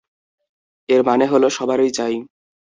এর মানে হলো, সবারই চাই!